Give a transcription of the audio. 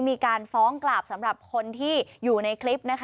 มีการฟ้องกลับสำหรับคนที่อยู่ในคลิปนะคะ